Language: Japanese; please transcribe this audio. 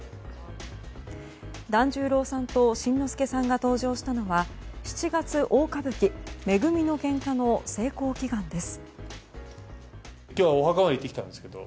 團十郎さんと新之助さんが登場したのは「七月大歌舞伎」「め組の喧嘩」の成功祈願です。